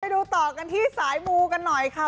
ดูต่อกันที่สายมูกันหน่อยค่ะ